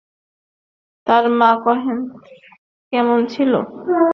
তার মা কেমন ছিল?